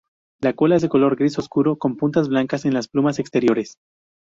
La cola es de color gris oscuro con puntas blancas en las plumas exteriores.